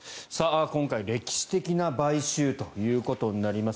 今回、歴史的な買収ということになります。